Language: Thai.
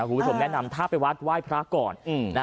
คุณผู้ชมแนะนำถ้าไปวัดไหว้พระก่อน